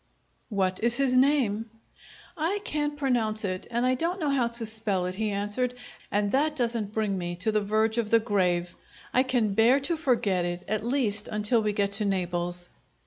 "What is his name?" "I can't pronounce it, and I don't know how to spell it," he answered. "And that doesn't bring me to the verge of the grave! I can bear to forget it, at least until we get to Naples!"